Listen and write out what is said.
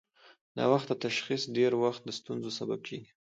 ناوخته تشخیص ډېری وخت د ستونزو سبب کېږي.